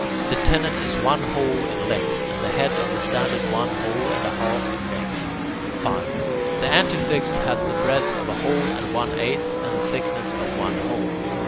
The tenon is one hole in length, and the head of the standard one hole and a half in length. 5. The antefix has the breadth of a hole and one eighth, and the thickness of one hole.